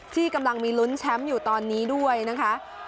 ที่กำลังมีลุ้นแชมป์อยู่ตอนนี้ด้วยนะคะ